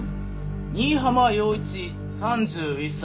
新浜陽一３１歳。